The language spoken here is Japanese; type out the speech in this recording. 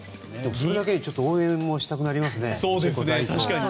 それだけに応援もしたくなりますね。